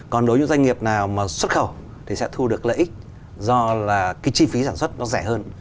còn đối với những doanh nghiệp nào mà xuất khẩu thì sẽ thu được lợi ích do là cái chi phí sản xuất nó rẻ hơn